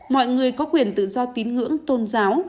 mọi người có quyền tự do tín ngưỡng tôn giáo